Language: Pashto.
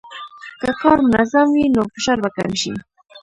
که کار منظم وي، نو فشار به کم شي.